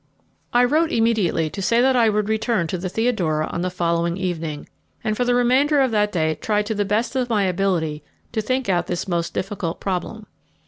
I wrote immediately to say that I would return to the Theodora on the following evening, and for the remainder of that day tried to the best of my ability to think out this most difficult problem.